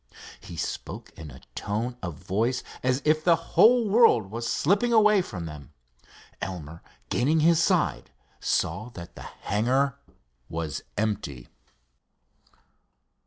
He spoke in a tone of voice as if the whole world was slipping away from them. Elmer, gaining his side, saw that the hangar was empty.